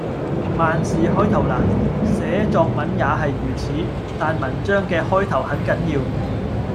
萬事開頭難，寫作文也係如此，但文章嘅開頭很緊要